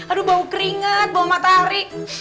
aduh bau keringat bau matahari